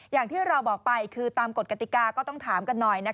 อย่างที่เราบอกไปคือตามกฎกติกาก็ต้องถามกันหน่อย